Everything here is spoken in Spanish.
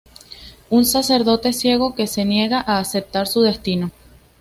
Un sacerdote ciego que se niega a aceptar su destino.